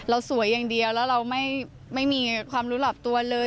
สวยอย่างเดียวแล้วเราไม่มีความรู้หลอบตัวเลย